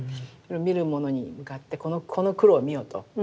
見る者に向かって「この黒を見よ」と。